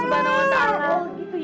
gitu ya cukup cukup sayang